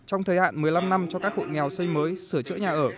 trong thời hạn một mươi năm năm cho các hộ nghèo xây mới sửa chữa nhà ở